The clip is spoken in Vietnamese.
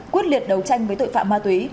quyết liệt đấu tranh với tội phạm ma túy